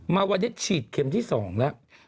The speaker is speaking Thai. มาวันนี้ฉีดเข็มที่๒แล้ว